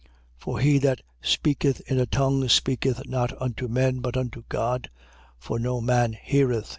For he that speaketh in a tongue speaketh not unto men, but unto God: for no man heareth.